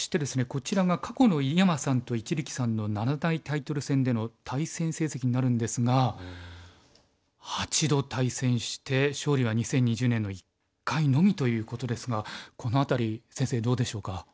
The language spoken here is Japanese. こちらが過去の井山さんと一力さんの七大タイトル戦での対戦成績になるんですが８度対戦して勝利は２０２０年の１回のみということですがこの辺り先生どうでしょうか？